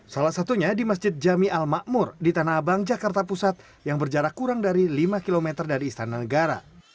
salah satunya di masjid jami al makmur di tanah abang jakarta pusat yang berjarak kurang dari lima km dari istana negara